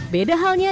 beda halnya di dalam